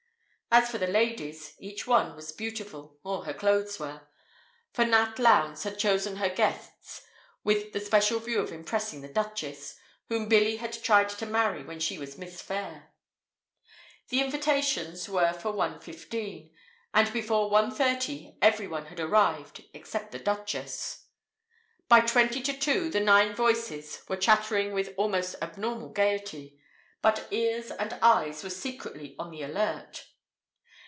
As for the ladies, each one was beautiful, or her clothes were; for Nat Lowndes had chosen her guests with the special view of impressing the Duchess, whom Billy had tried to marry when she was Miss Phayre. The invitations were for one fifteen, and before one thirty everyone had arrived except the Duchess. By twenty to two the nine voices were chattering with almost abnormal gaiety, but ears and eyes were secretly on the alert.